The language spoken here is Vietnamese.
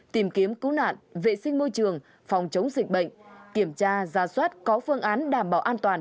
tìm kiếm cứu nạn vệ sinh môi trường phòng chống dịch bệnh kiểm tra ra soát có phương án đảm bảo an toàn